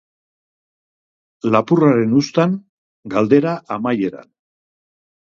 Lapurraren uztan, galdera amaieran.